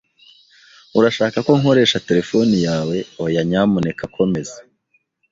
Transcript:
"Urashaka ko nkoresha terefone yawe?" "Oya, nyamuneka komeza."